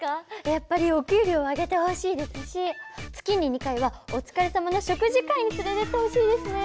やっぱりお給料を上げてほしいですし月に２回はお疲れさまの食事会に連れていってほしいですね。